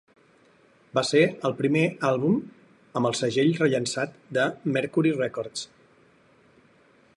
Va ser el primer àlbum amb el segell rellançat de Mercury Records.